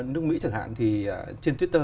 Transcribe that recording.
nước mỹ chẳng hạn thì trên twitter